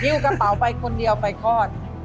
กระเป๋าไปคนเดียวไปคลอด